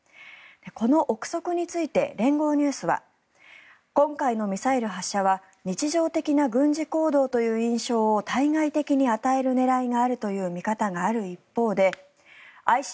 この臆測について連合ニュースは今回のミサイル発射は日常的な軍事行動という印象を対外的に与える狙いがあるという見方がある一方でＩＣＢＭ・ＳＬＢＭ